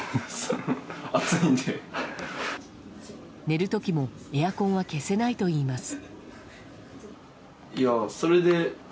寝る時もエアコンは消せないといいます。